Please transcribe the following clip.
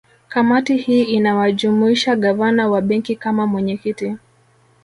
Kamati hii inawajumuisha Gavana wa Benki kama mwenyekiti